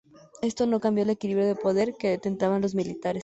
Esto no cambió el equilibrio de poder, que detentaban los militares.